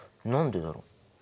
何でだろう？